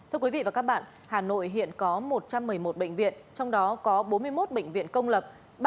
hà nội hiện có một trăm một mươi một bệnh viện trong đó có bốn mươi một bệnh viện công lập